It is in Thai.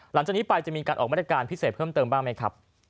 หลังจากนี้ไปจะมีการออกมาตรการพิเศษเพิ่มเติมบ้างไหมครับ